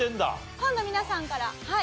ファンの皆さんからはい。